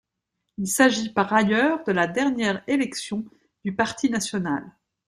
Il s'agit par ailleurs de la dernière élection du Parti national.